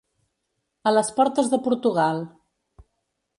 A les portes de Portugal.